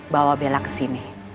bawa bella kesini